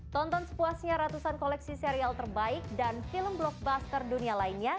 tonton sepuasnya ratusan koleksi serial terbaik dan film blockbuster dunia lainnya